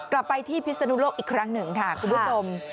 กลับไปที่พิศนุโลกอีกครั้งหนึ่งค่ะคุณผู้ชม